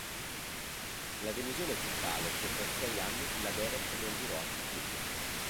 La delusione fu tale che per sei anni la Derek non girò altri film.